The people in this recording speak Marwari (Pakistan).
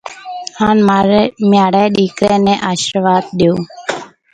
هانَ مهارَي ڏيڪريَ نَي آشرواڌ ڏيو۔